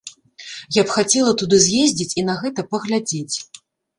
Я б хацела туды з'ездзіць і на гэта паглядзець.